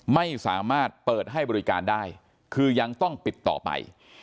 ไม่สามารถเปิดให้บริการได้คือยังต้องปิดต่อไป